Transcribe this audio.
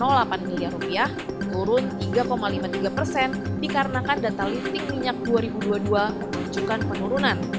dari migas sebesar rp satu ratus lima belas delapan miliar turun tiga lima puluh tiga persen dikarenakan data lifting minyak dua ribu dua puluh dua menunjukkan penurunan